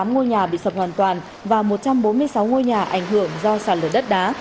hai trăm linh tám ngôi nhà bị sập hoàn toàn và một trăm bốn mươi sáu ngôi nhà ảnh hưởng do sạt lở đất đá